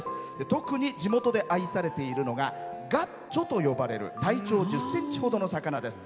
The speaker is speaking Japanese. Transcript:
特に地元で愛されているのがガッチョと呼ばれる体長１０ｃｍほどの魚です。